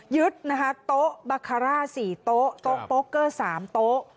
ยึดนะคะโต๊ะบาคาร่า๔โต๊ะโต๊ะโป๊เกอร์๓โต๊ะ